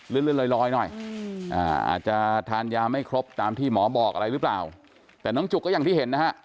เลื่อนลอยหน่อยอาจจะทานยาไม่ครบตามที่หมอบอกอะไรหรือเปล่าแต่น้องจุกก็อย่างที่เห็นนะฮะ